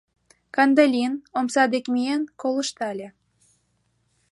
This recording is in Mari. Кандалин, омса дек миен, колыштале.